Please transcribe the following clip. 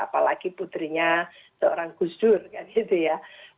apalagi putrinya seorang kusdur kan gitu ya